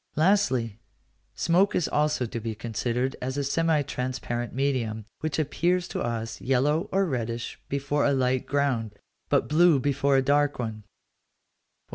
Lastly, smoke is also to be considered as a semi transparent medium, which appears to us yellow or reddish before a light ground, but blue before a dark one.